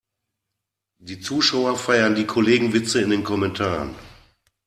Die Zuschauer feiern die Kollegenwitze in den Kommentaren.